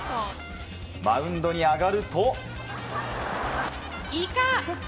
マウンドに上がると。